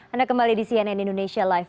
anda kembali di cnn indonesia live